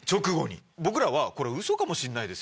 僕らはこれ嘘かもしんないですよ